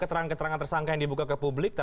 terang terangan tersangka yang dibuka ke publik